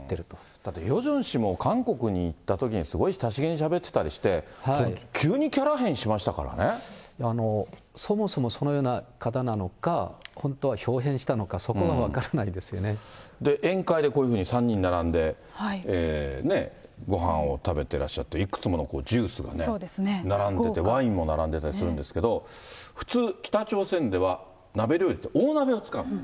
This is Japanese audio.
だってヨジョン氏も韓国に行ったときにすごい親しげにしゃべったりして、そもそもそのような方なのか、本当はひょう変したのか、宴会でこういうふうに３人並んでね、ごはんを食べてらっしゃって、いくつものジュースがね、並んでて、ワインも並んでたりするんですけど、普通、北朝鮮では鍋料理、大鍋を使う。